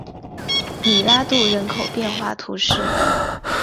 米拉杜人口变化图示